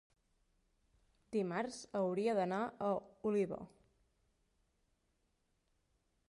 Dimarts hauria d'anar a Oliva.